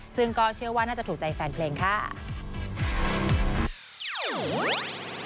ซึ่งก็เชื่อว่าน่าจะถูกใจแฟนเพลงค่ะ